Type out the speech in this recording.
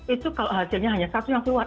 itu kalau hasilnya hanya satu yang keluar